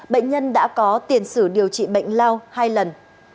bệnh nhân đã có tiền sử điều trị bệnh lao hai lần